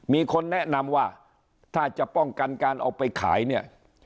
มีคนแนะนำว่าถ้าจะป้องกันการเอาไปขายเนี่ย